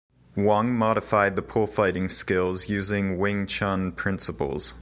Wong modified the pole fighting skills using Wing Chun principles.